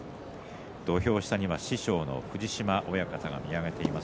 土俵下には師匠の藤島親方が見上げています。